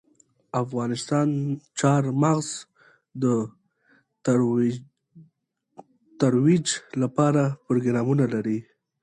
افغانستان د چار مغز د ترویج لپاره پروګرامونه لري.